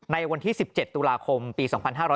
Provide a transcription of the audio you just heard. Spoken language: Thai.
ในวันที่๑๗ตุลาคมปี๒๕๕๙